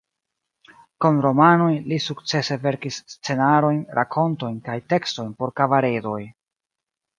Krom romanojn li sukcese verkis scenarojn, rakontojn kaj tekstojn por kabaredoj.